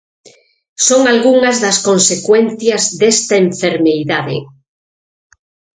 Son algunhas das consecuencias desta enfermidade.